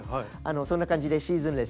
そんな感じでシーズンレス。